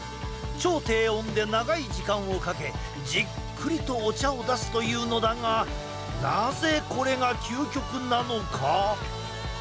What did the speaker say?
超低温で長い時間をかけじっくりとお茶を出すというのだがなぜ、これが究極なのか？